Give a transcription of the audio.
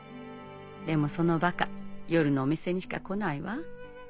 でもそのバカ夜のお店にしか来ないわ。